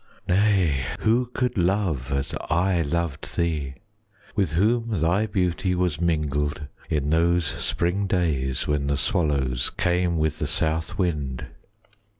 Nay, who could love as I loved thee, With whom thy beauty was mingled 10 In those spring days when the swallows Came with the south wind?